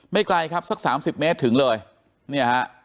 ไกลครับสักสามสิบเมตรถึงเลยเนี่ยฮะ